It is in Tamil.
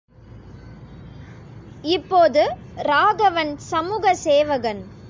இப்போது, ராகவன் சமூக சேவகன்.